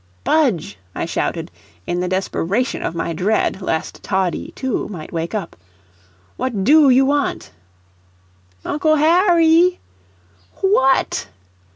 "Budge!" I shouted, in the desperation of my dread lest Toddie, too, might wake up, "what DO you want?" "Uncle Harry!" "WHAT!"